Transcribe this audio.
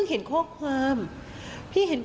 ลองฟังเสียงช่วงนี้ดูค่ะ